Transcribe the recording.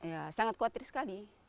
ya sangat khawatir sekali